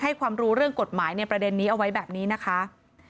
ความรู้เรื่องกฎหมายในประเด็นนี้เอาไว้แบบนี้นะคะ